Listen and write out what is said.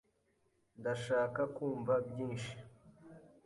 Ndashaka kumva byinshi.